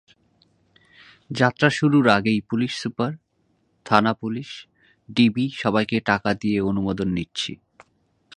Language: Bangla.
যাত্রা শুরুর আগেই পুলিশ সুপার, থানা-পুলিশ, ডিবি সবাইকে টাকা দিয়ে অনুমোদন নিছি।